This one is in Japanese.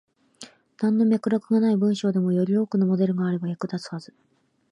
なんの脈絡がない文章でも、より多くのモデルがあれば役立つはず。